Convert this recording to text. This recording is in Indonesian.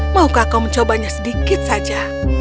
maukah kau mencobanya sedikit saja